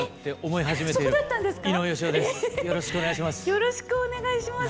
えっよろしくお願いします。